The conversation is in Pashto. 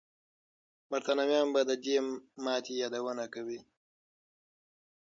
برتانويان به د دې ماتې یادونه کوي.